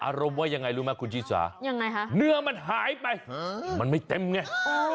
อารมณ์ว่ายังไงรู้ไหมคุณชิสาเนื้อมันหายไปมันไม่เต็มไง